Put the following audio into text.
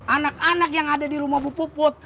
anak anak yang ada di rumah bu puput